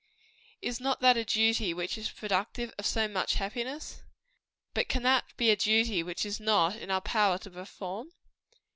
Is not that a duty which is productive of so much happiness? But can that be a duty which it is not in our power to perform?